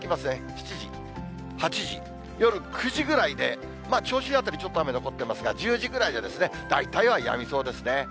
７時、８時、夜９時ぐらいで、銚子の辺りちょっと雨残ってますが、１０時ぐらいで大体はやみそうですね。